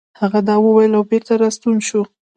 هغه دا وويل او بېرته راستون شو.